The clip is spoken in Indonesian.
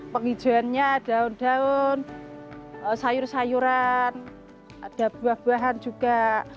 penghijauannya daun daun sayur sayuran ada buah buahan juga